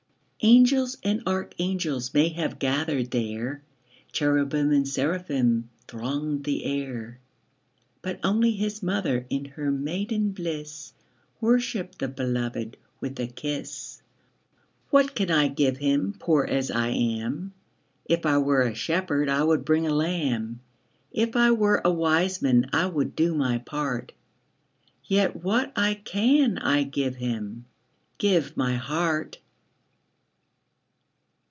Angels and archangels May have gathered there, Cherubim and seraphim Thronged the air; But only His mother, In her maiden bliss, Worshipped the Beloved With a kiss. What can I give Him, Poor as I am? If I were a shepherd, I would bring a lamb; If I were a wise man, I would do my part: Yet what I can I give Him, Give my heart.